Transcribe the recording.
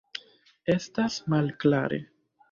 Estas malklare.